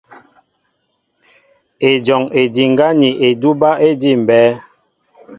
Ejɔŋ ediŋgá ni edúbɛ́ éjḭmbɛ́ɛ́.